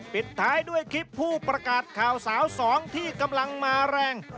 ปิดท้ายด้วยคลิปผู้ประกาศข่าวสาวสองที่กำลังมาแรง